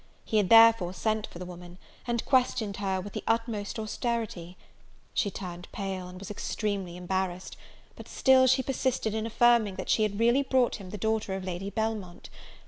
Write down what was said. He had therefore sent for the woman, and questioned her with the utmost austerity; she turned pale, and was extremely embarrassed; but still she persisted in affirming, that she had really brought him the daughter of Lady Belmont.